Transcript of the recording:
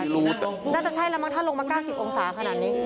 น่าจะใช่แล้วมั้งถ้าลงมา๙๐องศาขนาดนี้